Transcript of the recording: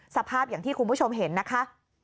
สภาพอย่างที่คุณผู้ชมเห็นนะคะ